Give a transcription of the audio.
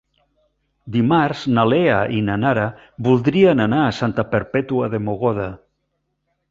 Dimarts na Lea i na Nara voldrien anar a Santa Perpètua de Mogoda.